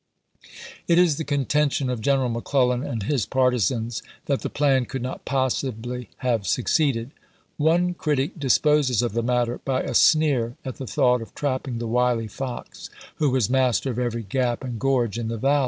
It is the contention of Greneral McClellan and his partisans that the plan could not possibly have succeeded. One critic disposes of the matter by a sneer at the thought of trapping "the wily fox, who was master of every gap and gorge in the Valley."